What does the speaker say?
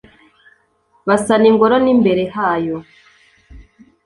basana ingoro, n'imbere hayo